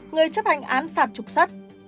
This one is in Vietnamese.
người chấp hành án phạt trục xuất